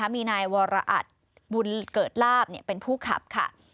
มีนายวรอัตบุญเกิดลาบเป็นผู้ขับค่ะ